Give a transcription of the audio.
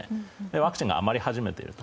ワクチンが余り始めていると。